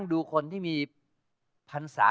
โปรดติดตามต่อไป